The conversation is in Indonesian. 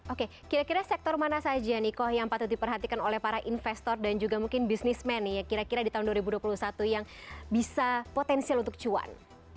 oke kira kira sektor mana saja niko yang patut diperhatikan oleh para investor dan juga mungkin bisnismen nih kira kira di tahun dua ribu dua puluh satu yang bisa potensial untuk cuan